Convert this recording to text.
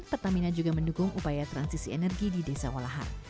pertamina juga mendukung upaya transisi energi di desa walahar